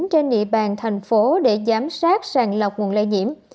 trên địa bàn thành phố để giám sát sàng lọc nguồn lây nhiễm